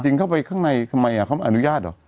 จริงเขาไปข้างในทำไมอ่ะอนุญาตเหรอ